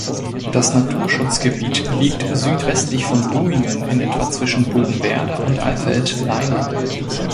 Das Naturschutzgebiet liegt südwestlich von Duingen in etwa zwischen Bodenwerder und Alfeld (Leine).